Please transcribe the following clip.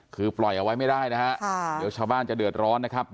คือปล่อยเอาไว้ไม่ได้นะฮะเดี๋ยวชาวบ้านจะเดือดร้อนนะครับ